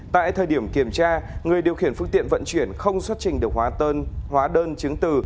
tại thời điểm kiểm tra người điều khiển phương tiện vận chuyển không xuất trình được hóa đơn chứng tử